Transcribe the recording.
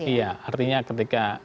iya artinya ketika